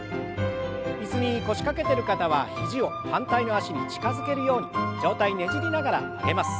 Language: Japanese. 椅子に腰掛けてる方は肘を反対の脚に近づけるように上体ねじりながら曲げます。